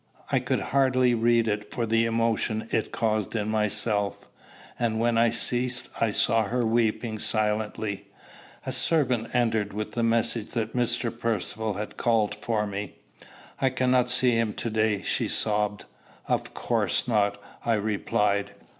I could hardly read it for the emotion it caused in myself; and when I ceased I saw her weeping silently. A servant entered with the message that Mr. Percivale had called for me. "I cannot see him to day," she sobbed. "Of course not," I replied.